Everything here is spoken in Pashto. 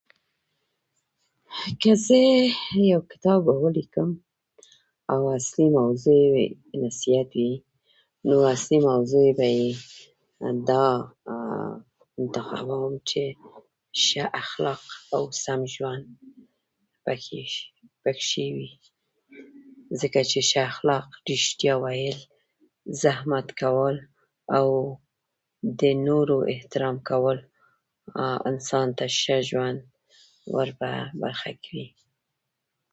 داسې یو کتاب به ولیکم، او اصلي موضوع یې نصیحت وي. نو اصلي موضوع به یې د [unintelligible] چې ښه اخلاق او سم ژوند په [unintelligible] کې وي، ځکه چې ښه اخلاق، ریښتیا ویل، زحمت کول او د نورو احترام کول انسان ته ښه ژوند ورپه برخه کوي.